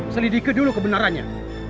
selidiki dulu kebenarannya